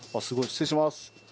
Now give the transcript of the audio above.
失礼します。